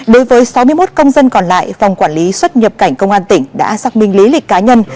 đối với sáu mươi một công dân còn lại phòng quản lý xuất nhập cảnh công an tỉnh đã xác minh lý lịch cá nhân